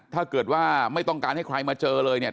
ถ้าเกิดว่าไม่ต้องการให้ใครมาเจอเลยเนี่ย